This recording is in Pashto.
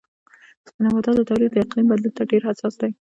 د نباتاتو تولید د اقلیم بدلون ته ډېر حساس دی.